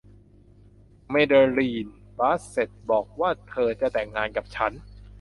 แมเดอรีน บาสเซทบอกกว่าเธอจะแต่งงานกับฉัน